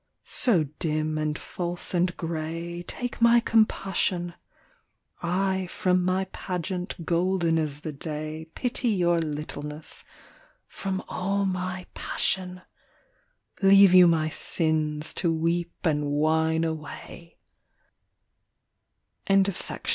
So dim and false and grey, take my compassion, I from my pageant golden as the day Pity your littleness from all my passion, Leave you my sins to weep and whine a\\ v 41 IRI